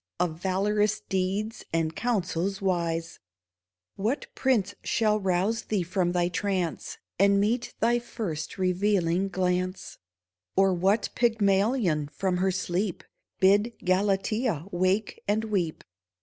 Of valorous deeds and counsels wise ! What prince shall rouse thee from thy trance, And meet thy first revealing glance, Or what Pygmalion from her sleep Bid Galatea wake and weep